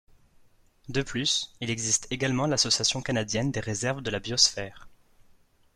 De plus, il existe également l’Association canadienne des réserves de la biosphère.